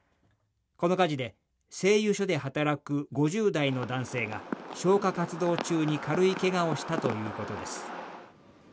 この火事で製油所で働く５０代の男性が、消火活動中に軽いけがをしたということです。